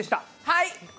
はい！